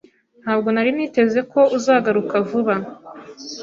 Ntabwo nari niteze ko uzagaruka vuba.